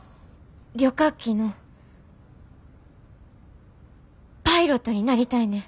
旅客機のパイロットになりたいねん。